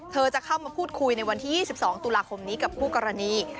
จะเข้ามาพูดคุยในวันที่๒๒ตุลาคมนี้กับคู่กรณี